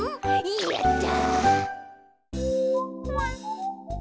やった！